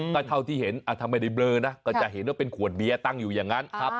ก็เท่าที่เห็นถ้าไม่ได้เบลอนะก็จะเห็นว่าเป็นขวดเบียร์ตั้งอยู่อย่างนั้น